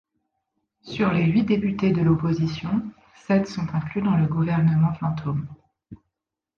Sur les huit députés de l'opposition, sept sont inclus dans le gouvernement fantôme.